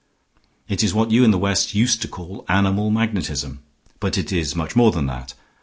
"It is what you in the West used to call animal magnetism, but it is much more than that.